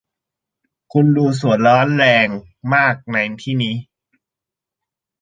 คุณดูสวยร้อนแรงมากในที่นี้